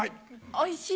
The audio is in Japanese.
おいしい？